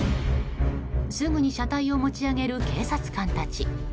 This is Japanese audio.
すぐに車体を持ち上げる警察官たち。